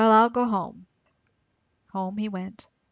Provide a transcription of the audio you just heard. I'll go home." Home he went.